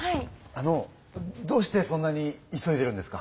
あのどうしてそんなに急いでるんですか？